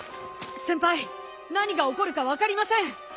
先輩何が起こるか分かりません。